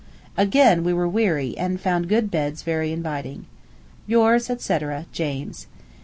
Again we were weary, and found good beds very inviting. Yours, &c., JAMES.